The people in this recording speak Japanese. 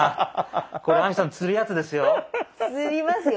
これ亜美さんつるやつですよ。